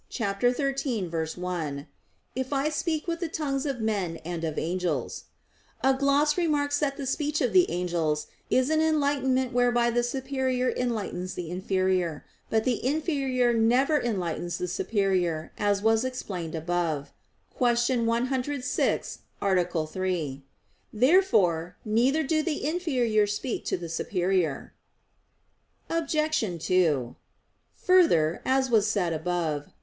13:1), "If I speak with the tongues of men and of angels," a gloss remarks that the speech of the angels is an enlightenment whereby the superior enlightens the inferior. But the inferior never enlightens the superior, as was above explained (Q. 106, A. 3). Therefore neither do the inferior speak to the superior. Obj. 2: Further, as was said above (Q.